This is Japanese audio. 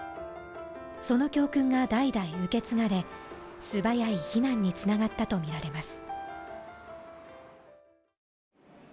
その教訓が代々受け継がれ素早い避難につながったと見られます